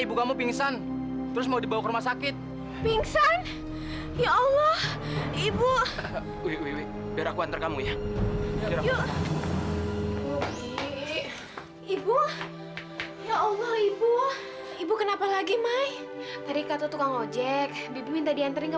sampai jumpa di video selanjutnya